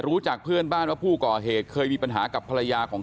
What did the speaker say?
จากเพื่อนบ้านว่าผู้ก่อเหตุเคยมีปัญหากับภรรยาของ